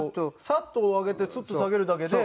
サッと上げてスッと下げるだけで。